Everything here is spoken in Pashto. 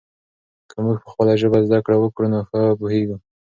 که موږ په خپله ژبه زده کړه وکړو نو ښه پوهېږو.